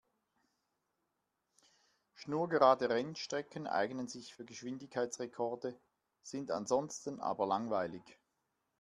Schnurgerade Rennstrecken eignen sich für Geschwindigkeitsrekorde, sind ansonsten aber langweilig.